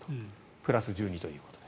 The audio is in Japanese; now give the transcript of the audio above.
プラス１２ということで。